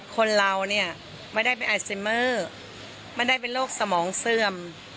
คนเราเนี่ยไม่ได้เป็นไอซิเมอร์ไม่ได้เป็นโรคสมองเสื่อม